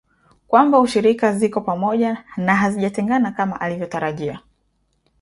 kwamba ushirika ziko pamoja na hazijatengana kama alivyotarajia